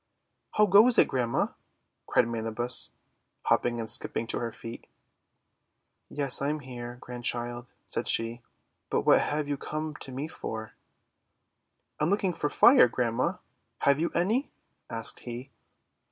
'How goes it, Grandma?' cried Manabus, hopping and skipping to her feet. ;Yes, I'm here, Grandchild," said she. "But what have you come to me for? ' ''I'm looking for Fire, Grandma; have you any?" asked he.